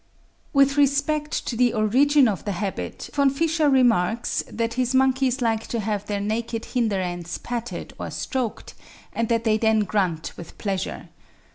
With respect to the origin of the habit, Von Fischer remarks that his monkeys like to have their naked hinder ends patted or stroked, and that they then grunt with pleasure.